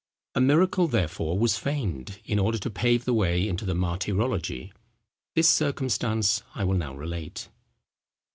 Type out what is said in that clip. A miracle therefore was feigned, in order to pave the way into the martyrology. This circumstance I will now relate.